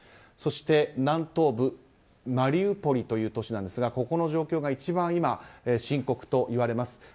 そして南東部マリウポリという都市ですがここの状況が一番今深刻といわれます。